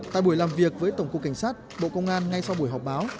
tại buổi làm việc với tổng cục cảnh sát bộ công an ngay sau buổi họp báo